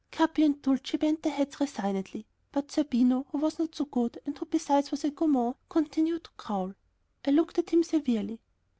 Capi and Dulcie bent their heads resignedly, but Zerbino, who was not so good, and who besides was a gourmand, continued to growl. I looked at him severely.